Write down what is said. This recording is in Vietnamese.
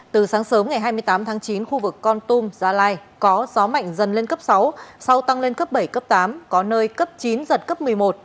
từ sáng sớm ngày hai mươi tám tháng chín khu vực con tum gia lai có gió mạnh dần lên cấp sáu sau tăng lên cấp bảy cấp tám có nơi cấp chín giật cấp một mươi một